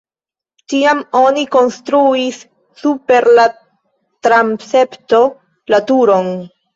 Tiam oni konstruis super la transepto la turon.